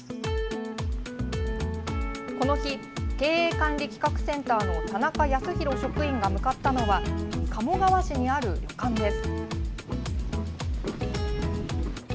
この日、経営管理企画センターの田中康裕職員が向かったのは鴨川市にある旅館です。